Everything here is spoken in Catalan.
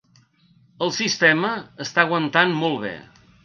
El sistema està aguantant molt bé.